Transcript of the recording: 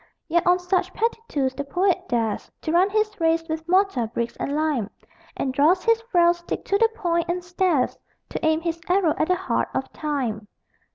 Yet on such petty tools the poet dares To run his race with mortar, bricks and lime, And draws his frail stick to the point, and stares To aim his arrow at the heart of Time.